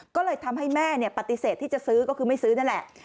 ก็เลยทำให้แม่ปฏิเสธที่จะซื้อก็คือไม่ซื้อนั่นแหละ